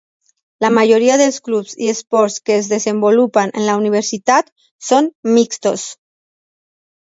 La majoria dels clubs i esports que es desenvolupen en la universitat són mixtos.